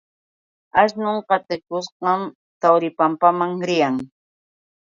Asnun atikushqam Tawripampaman riyan.